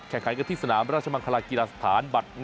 แข่งกันที่สนามราชมังคลากีฬาสถานบัตร๑